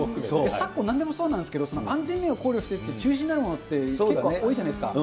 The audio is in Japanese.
昨今なんでもそうなんですけど、安全面を考慮してっていう中止になるものって結構多いじゃないですか。